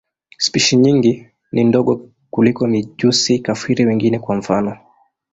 Spishi nyingi ni ndogo kuliko mijusi-kafiri wengine, kwa mfano.